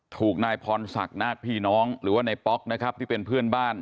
ถูกนายพรศักดิ์นาคพี่น้องหรือว่าในป๊อกนะครับที่เป็นเพื่อนบ้าน